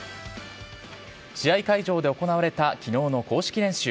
試合会場で行われたきのうの公式練習。